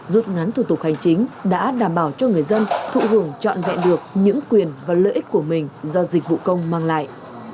rút ngắn thủ tục hành chính đã đảm bảo cho người dân thụ hưởng trọn vẹn được những quyền và lợi ích của mình do dịch vụ công mang lại